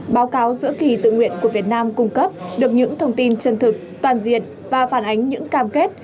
báo cáo giữa kỳ tự nguyện của việt nam cung cấp được những thông tin chân thực toàn diện và phản ánh những cam kết